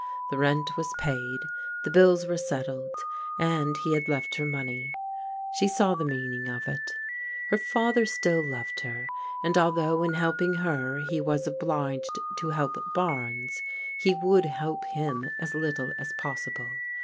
The rent was paid, the bills were settled, and he had left her money. She saw the mean ing of it. Her father still loved her, and although in helping her he was obliged to help Barnes, he would help him as little as possible.